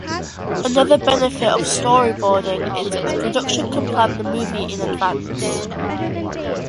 Another benefit of storyboarding is that the production can plan the movie in advance.